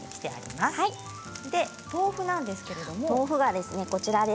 豆腐なんですけれども。